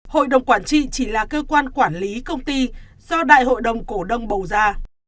hội đồng quản trị chỉ là cơ quan quản lý công ty do đại hội đồng cổ đông bầu ra